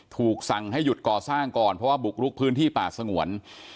ถูกสั่งให้หยุดก่อสร้างก่อนเพราะว่าบุกลุกพื้นที่ป่าสงวน